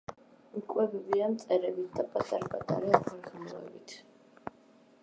იკვებებიან მწერებით და პატარ-პატარა უხერხემლოებით.